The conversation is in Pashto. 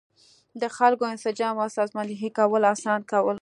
د خلکو انسجام او سازماندهي کول اسانه کوي.